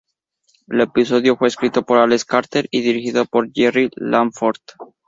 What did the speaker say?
El episodio fue escrito por Alex Carter y dirigido por Jerry Langford.